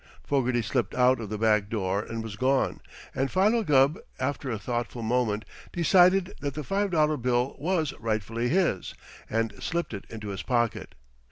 Fogarty slipped out of the back door and was gone, and Philo Gubb, after a thoughtful moment, decided that the five dollar bill was rightfully his, and slipped it into his pocket.